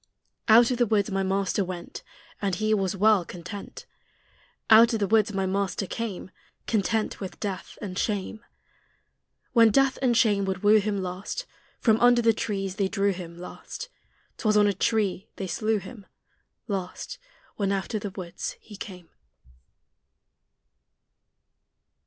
Out of the woods my Master went, And He was well content. Out of the woods my Master came, Content with death and shame. When Death and Shame would woo Him last, From under the trees they drew Him last: 'Twas on a tree they slew Him last, When out of the woods He came.